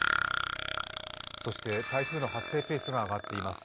そして台風の発生ペースが上がっています。